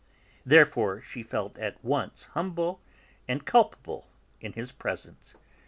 Therefore she felt at once humble and culpable in his presence.